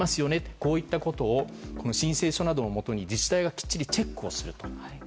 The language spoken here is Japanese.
こうしたことを申請書などをもとに自治体がチェックすると。